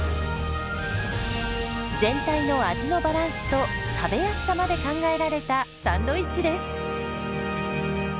全体の味のバランスと食べやすさまで考えられたサンドイッチです。